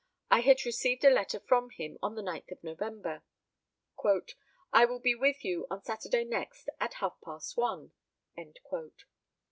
I had received a letter from him on the 9th of November: "I will be with you on Saturday next, at half past one."